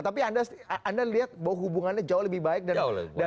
tapi anda lihat bahwa hubungannya jauh lebih baik dengan partai ini ya